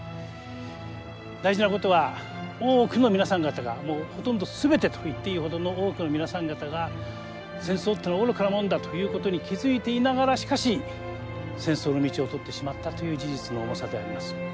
大事なことは多くの皆さん方がほとんど全てと言っていいほどの多くの皆さん方が戦争というのは愚かなもんだということに気づいていながらしかし戦争の道を取ってしまったという事実の重さであります。